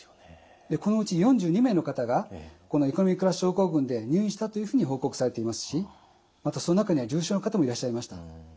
このうち４２名の方がこのエコノミークラス症候群で入院したというふうに報告されていますしまたその中には重症の方もいらっしゃいました。